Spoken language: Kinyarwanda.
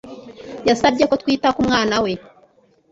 yasabye ko twita ku mwana we.